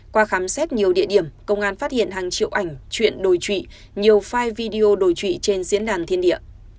qua khám xét nhiều địa điểm công an phát hiện hàng triệu ảnh chuyện đồi trụy nhiều file video đổi trụy trên diễn đàn thiên địa